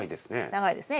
長いですね。